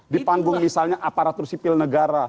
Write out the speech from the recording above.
di panggung misalnya aparatur sipil negara